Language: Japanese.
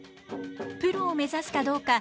プロを目指すかどうか。